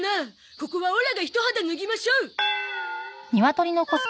ここはオラがひと肌脱ぎましょう。